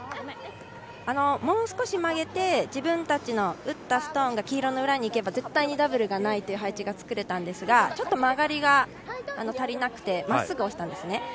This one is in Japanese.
もう少し曲げて自分たちの打ったストーンが黄色の裏にいけば絶対にダブルがないという配置が作れたんですがちょっと曲がりが足りなくてまっすぐ落ちたんですね。